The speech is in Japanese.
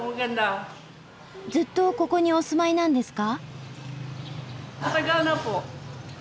ずっとここにお住まいなんですか？